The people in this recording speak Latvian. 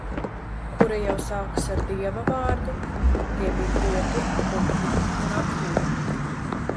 Kura jau sākas ar Dieva vārdu, tie bija koki, putni un akmeņi...